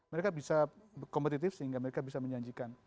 mereka bisa kompetitif sehingga mereka bisa menjanjikan